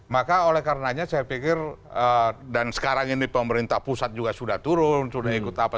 maka oleh karenanya saya pikir dan sekarang ini pemerintah pusat juga sudah turun sudah ikut apa